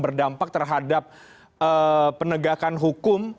berdampak terhadap penegakan hukum